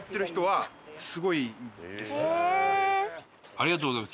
ありがとうございます